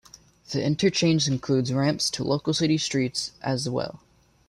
The interchanges includes ramps to local city streets as well.